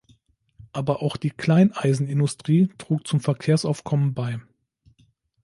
Aber auch die Kleineisenindustrie trug zum Verkehrsaufkommen bei.